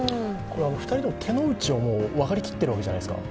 ２人とも手の内は分かりきっているわけじゃないですか。